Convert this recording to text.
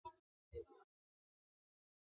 天河路是常见的路名。